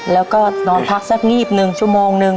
แล้วก็นอนพักสักงีบหนึ่งชั่วโมงนึง